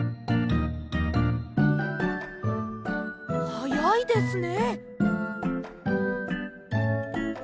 はやいですね。